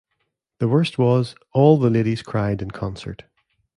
The worst was, all the ladies cried in concert.